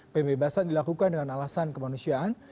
pembebasan dilakukan dengan alasan kemanusiaan